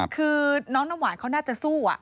คือน้องน้ำหวานเขาน่าจะสู้